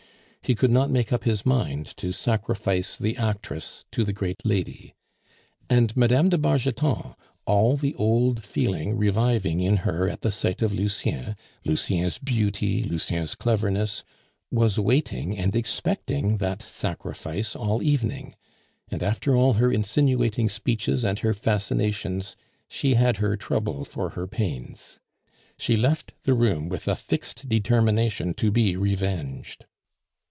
He could not make up his mind to sacrifice the actress to the great lady; and Mme. de Bargeton all the old feeling reviving in her at the sight of Lucien, Lucien's beauty, Lucien's cleverness was waiting and expecting that sacrifice all evening; and after all her insinuating speeches and her fascinations, she had her trouble for her pains. She left the room with a fixed determination to be revenged.